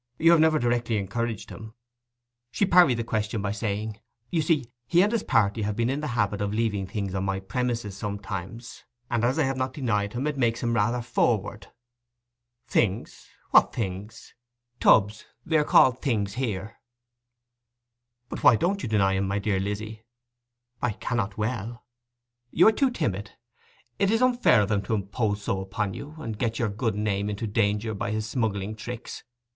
You have never directly encouraged him?' She parried the question by saying, 'You see, he and his party have been in the habit of leaving things on my premises sometimes, and as I have not denied him, it makes him rather forward.' 'Things—what things?' 'Tubs—they are called Things here.' 'But why don't you deny him, my dear Lizzy?' 'I cannot well.' 'You are too timid. It is unfair of him to impose so upon you, and get your good name into danger by his smuggling tricks.